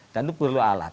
dan itu perlu alat